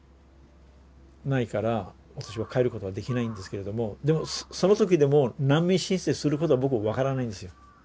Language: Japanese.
ないから私は帰ることができないんですけれどもでもその時でも難民申請することは僕分からないんですよ。